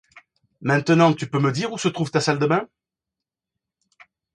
Maintenant tu peux me dire où se trouve ta salle de bains ?